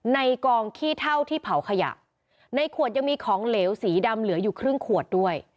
ในกองขี้เท่าที่เผาขยะในขวดยังมีของเหลวสีดำเหลืออยู่ครึ่งขวดด้วย